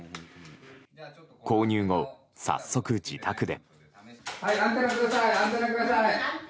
購入後、早速自宅で。